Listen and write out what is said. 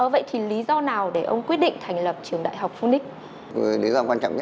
vậy thì lý do nào để ông quyết định thành lập trường đại học phunix